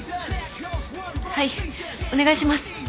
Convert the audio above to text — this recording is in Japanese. はいお願いします。